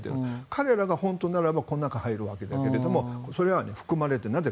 彼らが本当ならばこの中に入るわけだけどそれが含まれていない。